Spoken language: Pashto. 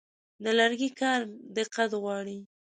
د لرګي کار دقت غواړي.